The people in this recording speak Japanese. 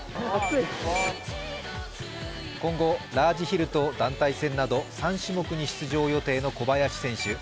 今後、ラージヒルと団体戦など３種目に出場予定の小林選手。